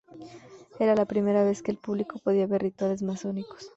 Era la primera vez que el público podía ver rituales masónicos.